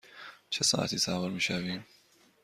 چه ساعتی سوار می شویم؟